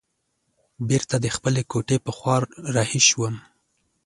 بیرته د خپلې کوټې په خوا رهي شوم.